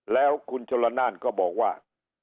แล้วคุณชลนานก็บอกว่า